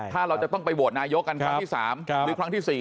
ถ้าเราจะต้องไปโหวตนายกกันครั้งที่๓หรือครั้งที่๔